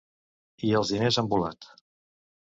I els diners han volat!